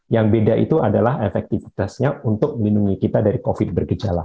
yang beda itu adalah efektivitasnya untuk melindungi kita dari covid bergejala